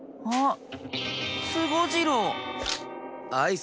あっ。